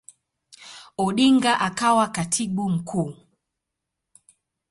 Odinga akawa Katibu Mkuu.